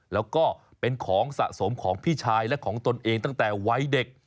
แล้วก็เป็นของสะสมของพี่ชายและของตนเองตั้งแต่วัยเด็ก